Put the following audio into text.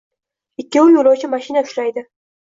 Ikkovi yo‘lovchi mashina ushlaydi.